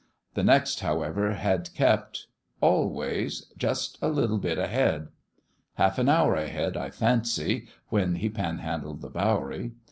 The next, however, had kept ... always ... just a little bit ahead. Half an hour ahead, I fancy, when he panhandled the Bowery.